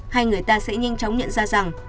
hay người ta sẽ nhanh chóng nhận ra rằng